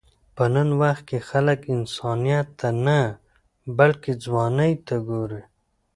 په نن وخت کې خلک انسانیت ته نه، بلکې ځوانۍ ته ګوري.